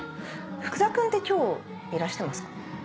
福田君って今日いらしてますか？